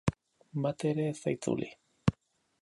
Bat ere ez da itzuli.